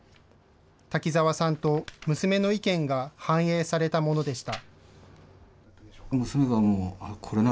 瀧澤さんと娘の意見が反映されたものでした。